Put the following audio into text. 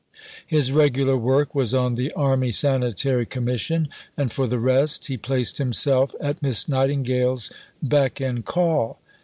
His regular work was on the Army Sanitary Commission; and for the rest, he placed himself at Miss Nightingale's beck and call.